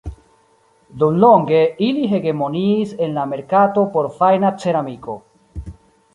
Dumlonge, ili hegemoniis en la merkato por fajna ceramiko.